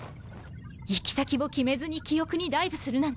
行き先を決めずに記憶にダイブするなんて。